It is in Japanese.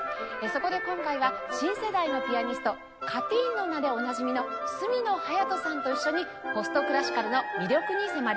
そこで今回は新世代のピアニスト「Ｃａｔｅｅｎ」の名でおなじみの角野隼斗さんと一緒にポストクラシカルの魅力に迫ります。